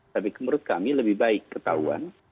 tapi menurut kami lebih baik ketahuan